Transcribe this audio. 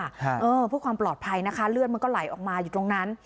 เออเพื่อความปลอดภัยนะคะเลือดมันก็ไหลออกมาอยู่ตรงนั้น